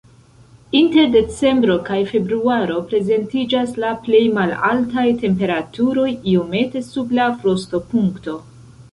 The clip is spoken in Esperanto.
Inter decembro kaj februaro prezentiĝas la plej malaltaj temperaturoj, iomete sub la frostopunkto.